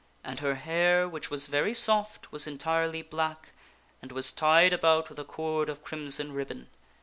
And her hair, which was very L^ZmatS* soft, was entirely black and was tied about with a cord of Sir Pellias crimson ribbon.